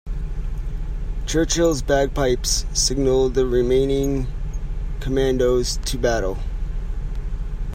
Churchill's bagpipes signalled the remaining Commandos to battle.